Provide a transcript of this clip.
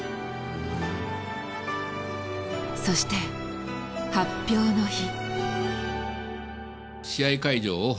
そして発表の日。